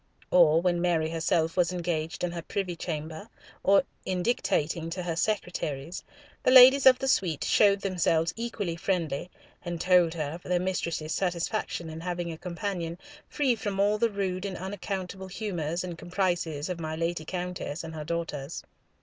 Or when Mary herself was engaged in her privy chamber in dictating to her secretaries, the ladies of the suite showed themselves equally friendly, and told her of their mistress's satisfaction in having a companion free from all the rude and unaccountable humours and caprices of my Lady Countess and her daughters.